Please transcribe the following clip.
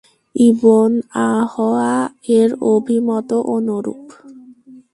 ইবন য়াহয়া-এর অভিমতও অনুরূপ।